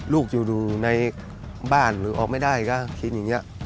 ลูกอยู่ในบ้านหรือออกไม่ได้ก็กินอย่างนี้